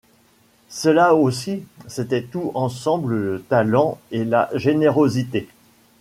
Cela aussi, c'était tout ensemble le talent et la générosité.